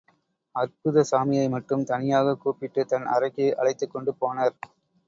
அற்புதசாமியை மட்டும் தனியாகக் கூப்பிட்டுத் தன் அறைக்கு அழைத்துக்கொண்டு போனர்.